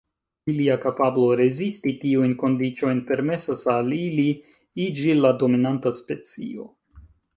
Ilia kapablo rezisti tiujn kondiĉojn permesas al ili iĝi la dominanta specio.